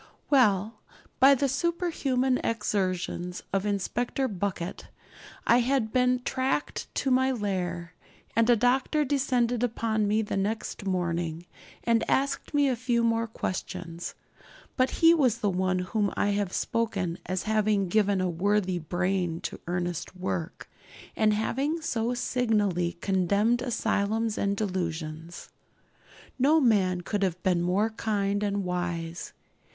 Well, by the superhuman exertions of Inspector Bucket I had been tracked to my lair, and a doctor descended upon me the next morning, and asked me a few more questions. But he was the one of whom I have spoken as having given a worthy brain to earnest work, and having so signally condemned asylums and delusions. No man could have been more kind and wise.